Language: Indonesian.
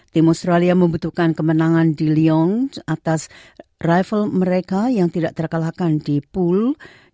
tim australia membutuhkan kemenangan di leon atas rival mereka yang tidak terkalahkan di pool